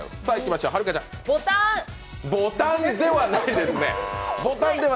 ボタンではないですね。